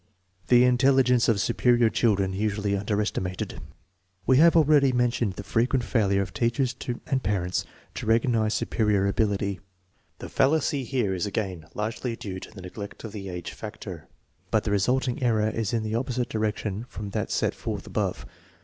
The intelligence of superior children usually underesti mated. Wo have already mentioned the frequent failure of teachers and parents to recognize superior ability. 1 The fal lacy here is again largely due to the neglect of the age factor, but the resulting error is in the opposite direction from that set forth above.